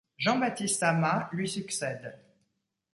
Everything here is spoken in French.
Jean-Baptiste Ama lui succède.